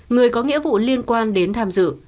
người có nghĩa vụ liên quan đến tham dự